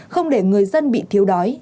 không để người dân bị thiếu đói